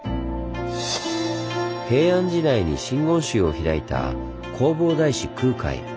平安時代に真言宗を開いた弘法大師空海。